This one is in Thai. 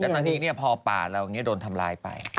แล้วตอนนี้พอป่าแล้วอันนี้โดนทำลายไป